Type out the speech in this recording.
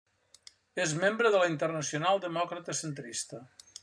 És membre de la Internacional demòcrata centrista.